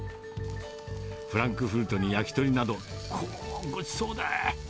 フランクフルトに焼き鳥など、おー、ごちそうだ。